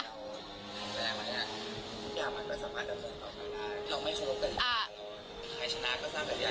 ทุกอย่างมันก็สามารถจะเข้ามาค่ะเราไม่สรุปกันอ่าใครชนะก็สร้างกันอย่างนี้